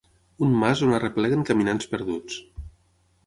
Un mas on arrepleguen caminants perduts.